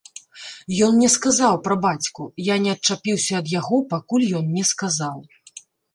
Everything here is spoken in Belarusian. Ён мне сказаў пра бацьку, я не адчапіўся ад яго, пакуль ён не сказаў.